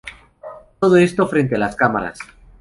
Todo esto frente a las cámaras.